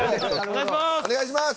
お願いします！